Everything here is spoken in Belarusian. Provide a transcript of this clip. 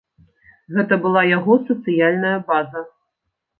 Гэта была яго сацыяльная база.